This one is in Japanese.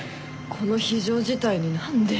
この非常事態に何で？